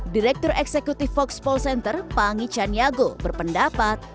direktur eksekutif voxpol center pangy canyago berpendapat